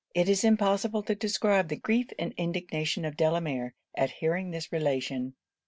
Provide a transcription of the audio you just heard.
It is impossible to describe the grief and indignation of Delamere, at hearing this relation.